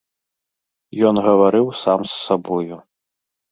Ён гаварыў сам з сабою.